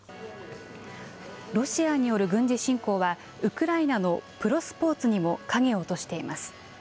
ロシアによる軍事侵攻は、ウクライナのプロスポーツにも影を落としています。